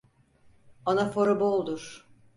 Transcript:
Anaforu boldur.